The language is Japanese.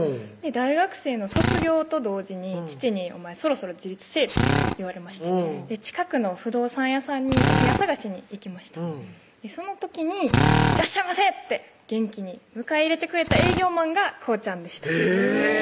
大学生の卒業と同時に父に「お前そろそろ自立せぇ」って言われまして近くの不動産屋さんにお部屋探しに行きましたその時に「いらっしゃいませ！」って元気に迎え入れてくれた営業マンがこうちゃんでしたへぇ！